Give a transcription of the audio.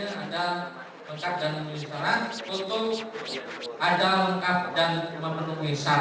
sekarang kita akan tim kampanye ada kentak dan penulis peran